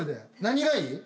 何がいい？